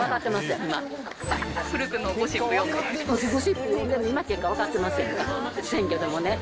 今結果分かってますやん、選挙でもね。